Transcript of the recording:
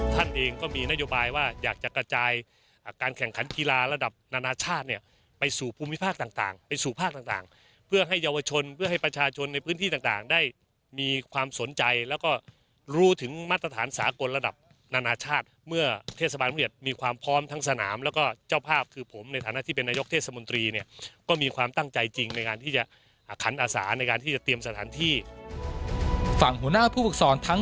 ท่านเองก็มีนโยบายว่าอยากจะกระจายการแข่งขันกีฬาระดับนานาชาติเนี่ยไปสู่ภูมิภาคต่างไปสู่ภาคต่างเพื่อให้เยาวชนเพื่อให้ประชาชนในพื้นที่ต่างได้มีความสนใจแล้วก็รู้ถึงมาตรฐานสากลระดับนานาชาติเมื่อเทศบาลมริเวศมีความพร้อมทั้งสนามแล้วก็เจ้าภาพคือผมในฐานะที่เป็นน